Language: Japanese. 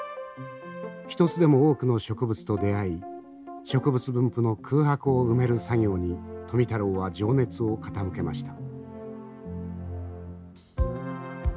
一つでも多くの植物と出会い植物分布の空白を埋める作業に富太郎は情熱を傾けました。